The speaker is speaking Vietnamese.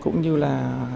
cũng như là